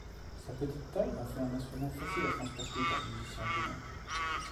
Sa petite taille en fait un instrument facile à transporter pour les musiciens ambulants.